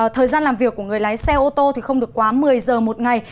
thời gian làm việc của người lái xe ô tô thì không được quá một mươi giờ một ngày